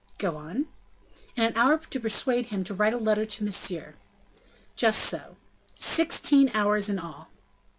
"Go on." "And an hour to persuade him to write a letter to Monsieur." "Just so." "Sixteen hours in all?"